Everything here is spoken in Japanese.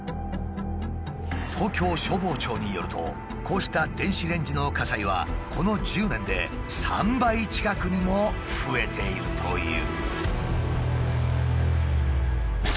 東京消防庁によるとこうした電子レンジの火災はこの１０年で３倍近くにも増えているという。